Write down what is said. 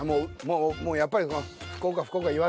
もうやっぱり。